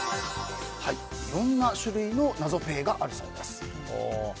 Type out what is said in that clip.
いろんな種類の「なぞペー」があるそうです。